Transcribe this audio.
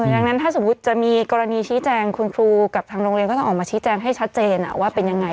ดังนั้นถ้าสมมุติจะมีกรณีชี้แจงคุณครูกับทางโรงเรียนก็ต้องออกมาชี้แจงให้ชัดเจนว่าเป็นยังไง